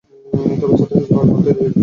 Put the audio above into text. তবে ছাত্র হিসেবে করতে দেখেছি।